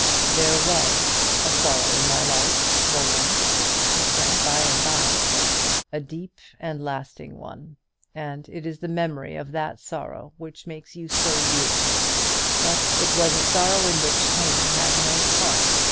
"There was a sorrow in my life, Roland," he said by and by, "a deep and lasting one; and it is the memory of that sorrow which makes you so dear to me; but it was a sorrow in which shame had no part.